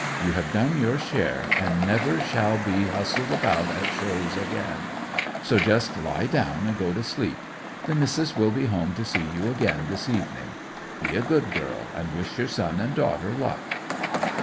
You have done your share, and shall never be hustled about at shows again; so just lie down and go to sleep. The Missis will be home to see you again this evening. Be a good girl, and wish your son and daughter luck!"